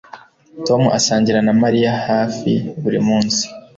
Tom asangira na Mariya hafi buri munsi